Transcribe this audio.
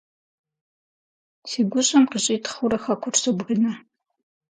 Си гущӏэм къыщӏитхъыурэ хэкур сагъэбгынэ.